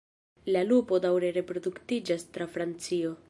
La lupo daŭre reproduktiĝas tra Francio.